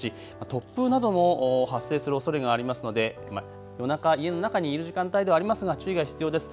突風なども発生するおそれがありますので夜中、家の中にいる時間帯でありますが注意が必要です。